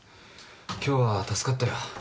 今日は助かったよ。